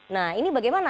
nah ini bagaimana